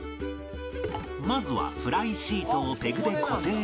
まずはフライシートをペグで固定するが